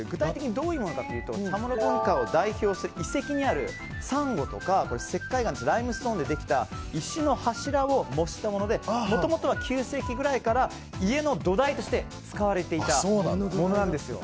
どういうものかというとチャモロ文化を代表する遺跡にあるサンゴとか石灰岩ライムストーンでできた石の柱を模したものでもともとは９世紀ぐらいから家の土台として使われていたものなんですよ。